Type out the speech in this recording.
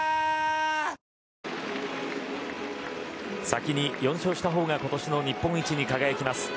先に４勝した方が今年の日本一に輝きます。